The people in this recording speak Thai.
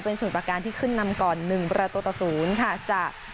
เป็นสมุดประการที่ขึ้นนำก่อน๑ประตูตะ๐ค่ะ